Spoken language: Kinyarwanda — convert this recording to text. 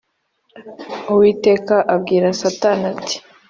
Uwiteka abwira Satani ati